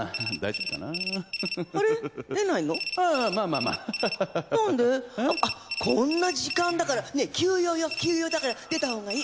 あっこんな時間だからねぇ急用よ急用だから出たほうがいい！